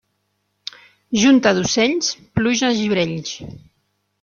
Junta d'ocells, pluja a gibrells.